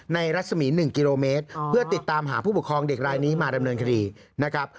รัศมี๑กิโลเมตรเพื่อติดตามหาผู้ปกครองเด็กรายนี้มาดำเนินคดีนะครับ